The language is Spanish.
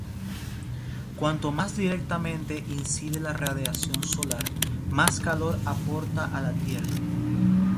Cuanto más directamente incide la radiación solar, más calor aporta a la Tierra.